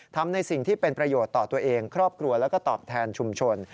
ทำในสิ่งที่เป็นประโยชน์ต่อตัวเองครอบครัวแล้วก็ตอบแทนชุมชน